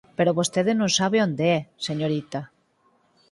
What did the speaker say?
Pero vostede non sabe onde é, señorita.